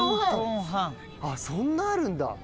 そんなあるんだ。